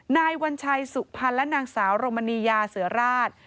นายวัญชัยสุพรรณและนางสาวโรมณียาเสือราช